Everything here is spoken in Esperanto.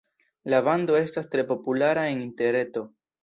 La bando estas tre populara en interreto.